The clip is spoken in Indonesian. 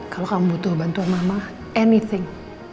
kalo kamu butuh bantuan mama anything